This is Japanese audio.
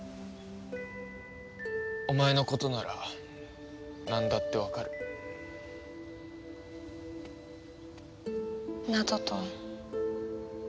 お前のことならなんだってわかる。などと。